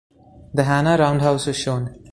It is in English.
The Hanna Roundhouse is shown.